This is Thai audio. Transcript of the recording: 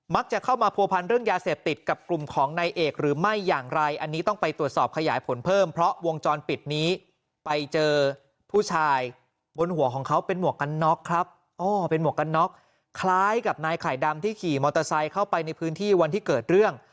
มักจะเข้ามาโผพันเรื่องยาเสพติดกับกลุ่มของในเอก